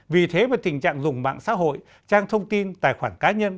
vì thế về tình trạng dùng mạng xã hội trang thông tin tài khoản cá nhân